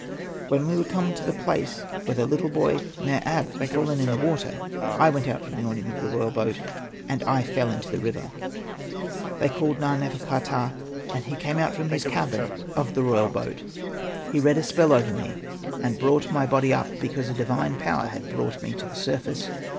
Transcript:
When we were come to the place where the little boy Mer ab had fallen in the water, I went out from the awning of the royal boat, and I fell into the river. They called Na.nefer.ka.ptah, and he came out from the cabin of the royal Hosted by Google 104 SETNA AND THE MAGIC BOOK boat ; he read a spell over me, and brought my body up, because a divine power brought me to the surface.